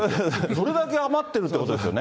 それだけ余ってるってことですよね。